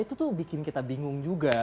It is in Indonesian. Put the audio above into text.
itu tuh bikin kita bingung juga